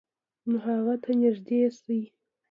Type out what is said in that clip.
نو هغه ته نږدې شئ،